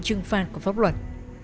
trừng phạt của pháp luật